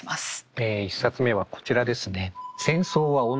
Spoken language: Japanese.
え１冊目はこちらですね。